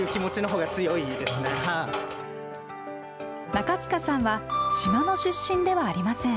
中塚さんは島の出身ではありません。